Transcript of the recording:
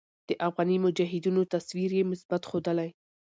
د افغاني مجاهدينو تصوير ئې مثبت ښودلے